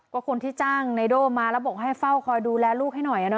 ก็คนที่จ้างไนโด่มาแล้วบอกให้เฝ้าคอยดูแลลูกให้หน่อย